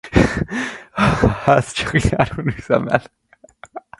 A ház csak nyáron üzemel.